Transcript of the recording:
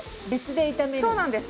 そうなんです。